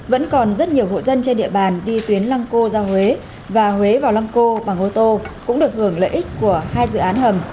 vẫn còn rất nhiều hộ dân trên địa bàn đi tuyến lăng cô ra huế và huế vào lăng cô bằng ô tô cũng được hưởng lợi ích của hai dự án hầm